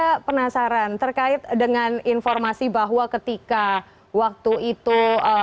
saya ada satu saran terkait dengan informasi bahwa ketika waktu itu